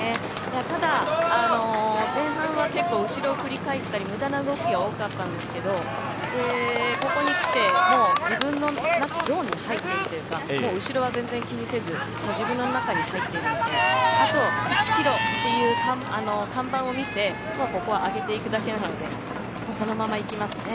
ただ、前半は結構後ろを振り返ったり無駄な動きが多かったんですけどここにきて、もう自分のゾーンに入っているというかもう後ろは全然気にせず自分の中に入っているのであと１キロという看板を見てもうここは上げていくだけなのでそのまま行きますね。